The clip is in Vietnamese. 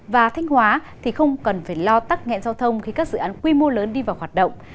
và thanh hóa thì không cần phải lo tắc nghẹn giao thông khi các dự án quy mô lớn đi vào hoạt động